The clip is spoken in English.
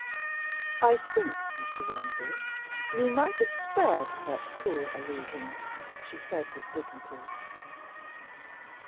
"I think, Mr. Romsey, you might have spared that cruel allusion," she said with dignity.